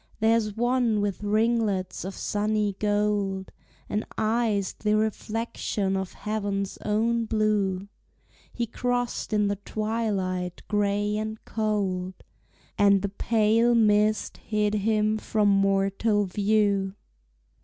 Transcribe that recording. There's one with ringlets of sunny gold, And eyes the reflection of heaven's own blue; He crossed in the twilight gray and cold, And the pale mist hid him from mortal view.